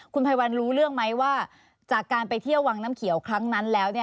คุณภัยวันรู้เรื่องไหมว่าจากการไปเที่ยววังน้ำเขียวครั้งนั้นแล้ว